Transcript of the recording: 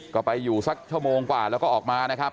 ก็ไปอยู่สักชั่วโมงกว่าแล้วก็ออกมานะครับ